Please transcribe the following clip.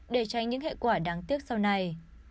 để tranh những hệ quả đáng tiếc sau này